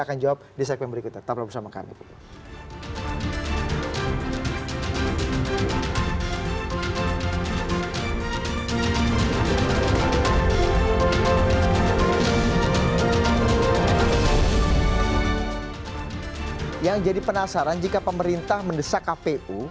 akan jawab di segmen berikut tetap bersama kami yang jadi penasaran jika pemerintah mendesak kpu